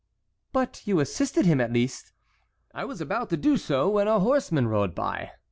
"But you assisted him at least?" "I was about to do so when a horseman rode by.